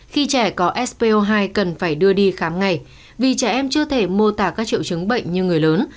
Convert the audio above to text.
khi trẻ có sp hai cần phải đưa đi khám ngày vì trẻ em chưa thể mô tả các triệu chứng bệnh như người lớn